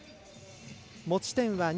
持ち点は２。